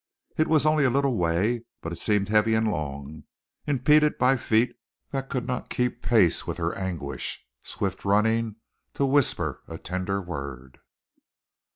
It was only a little way, but it seemed heavy and long, impeded by feet that could not keep pace with her anguish, swift running to whisper a tender word.